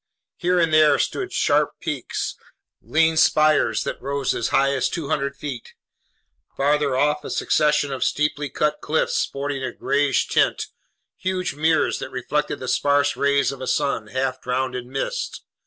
Here and there stood sharp peaks, lean spires that rose as high as 200 feet; farther off, a succession of steeply cut cliffs sporting a grayish tint, huge mirrors that reflected the sparse rays of a sun half drowned in mist.